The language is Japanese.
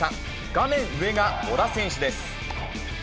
画面上が小田選手です。